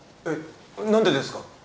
えっ何でですか？